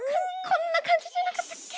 こんな漢字じゃなかったっけ。